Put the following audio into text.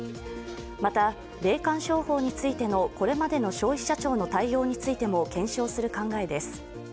また霊感商法についてのこれまでの消費者庁の対応についても検証する考えです。